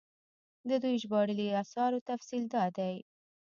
د دوي ژباړلي اثارو تفصيل دا دی